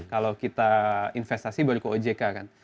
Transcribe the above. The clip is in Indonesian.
kalau kita investasi baru ke ojk kan